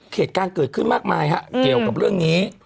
เหตุการณ์เกิดขึ้นมากมายฮะเกี่ยวกับเรื่องนี้